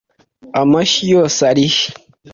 amashyi yose arihe